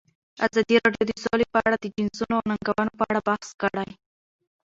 ازادي راډیو د سوله په اړه د چانسونو او ننګونو په اړه بحث کړی.